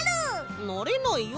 なれないよ